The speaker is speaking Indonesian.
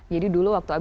jadi dulu waktu